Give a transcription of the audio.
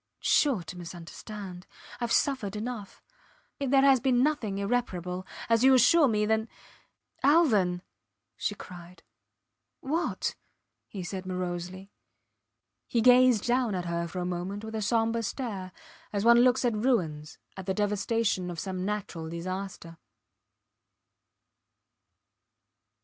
... Sure to misunderstand. Ive suffered enough. And if there has been nothing irreparable as you assure me ... then ... Alvan! she cried. What? he said, morosely. He gazed down at her for a moment with a sombre stare, as one looks at ruins, at the devastation of some natural disaster.